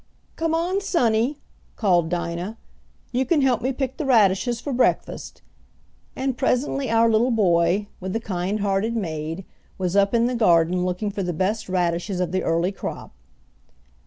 "Come on, sonny," called Dinah. "You can help me pick de radishes fo' breakfast," and presently our little boy, with the kind hearted maid, was up in the garden looking for the best radishes of the early crop.